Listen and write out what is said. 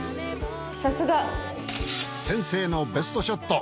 さすが！先生のベストショット